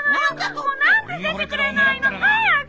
もう何で出てくれないの？早く！